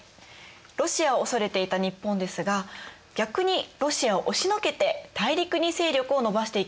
ロシアを恐れていた日本ですが逆にロシアを押しのけて大陸に勢力を伸ばしていきました。